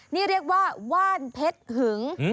นี่เรียกว่าว่านเพชรหึง